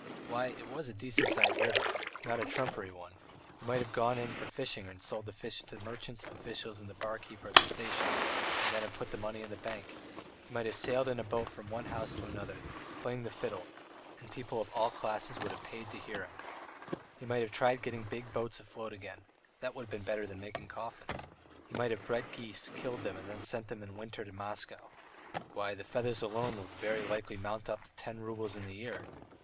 Why, it was a decent sized river, not a trumpery one; he might have gone in for fishing and sold the fish to merchants, officials, and the bar keeper at the station, and then have put money in the bank; he might have sailed in a boat from one house to another, playing the fiddle, and people of all classes would have paid to hear him; he might have tried getting big boats afloat again that would be better than making coffins; he might have bred geese, killed them and sent them in the winter to Moscow Why, the feathers alone would very likely mount up to ten roubles in the year.